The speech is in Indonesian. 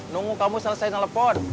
nunggu kamu selesai telepon